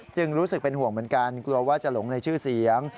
รู้สึกเป็นห่วงเหมือนกันกลัวว่าจะหลงในชื่อเสียง